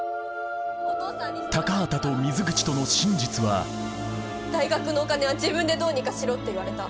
高畑と水口との真実は「大学のお金は自分でどうにかしろ」って言われた。